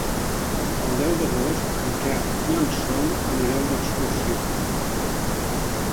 El deu d'agost en Quel i en Sol aniran d'excursió.